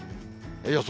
予想